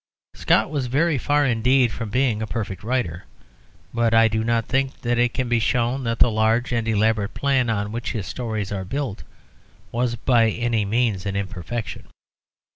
Scott was very far indeed from being a perfect writer, but I do not think that it can be shown that the large and elaborate plan on which his stories are built was by any means an imperfection.